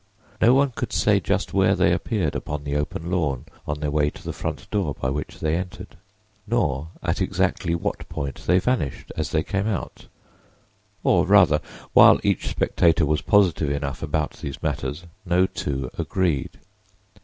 No one could say just where they appeared upon the open lawn on their way to the front door by which they entered, nor at exactly what point they vanished as they came out; or, rather, while each spectator was positive enough about these matters, no two agreed.